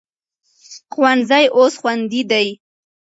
ښوونځي اوس خوندي دي.